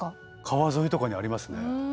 川沿いとかにありますね。